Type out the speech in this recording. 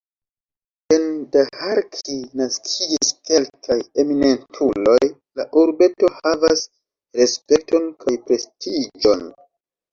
En Daharki naskiĝis kelkaj eminentuloj, la urbeto havas respekton kaj prestiĝon.